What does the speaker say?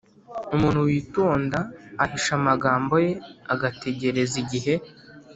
umuntu witonda ahisha amagambo ye, agategereza igihe,